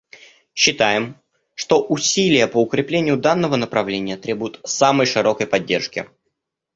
Считаем, что усилия по укреплению данного направления требуют самой широкой поддержки.